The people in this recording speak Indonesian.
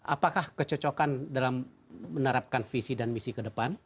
apakah kecocokan dalam menerapkan visi dan misi ke depan